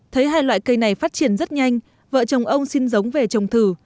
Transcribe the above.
thấy hai loại cây này phát triển rất nhanh vợ chồng ông xin giống về trồng thử